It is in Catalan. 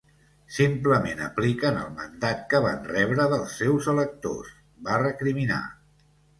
Simplement apliquen el mandat que van rebre dels seus electors, va recriminar.